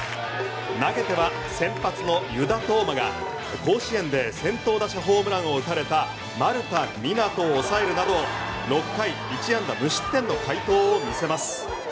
投げては先発の湯田統真が甲子園で先頭打者ホームランを打たれた丸太湊斗を抑えるなど６回１安打無失点の快投を見せます。